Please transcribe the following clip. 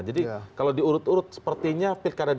jadi kalau diurut urut sepertinya pilkada d